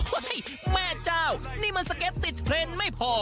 แม่เจ้านี่มันสเก็ตติดเทรนด์ไม่พอ